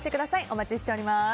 お待ちしております。